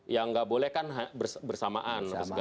yang nggak boleh kan bersamaan